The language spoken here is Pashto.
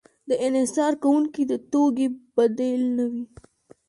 د انحصار کوونکي د توکې بدیل نه وي.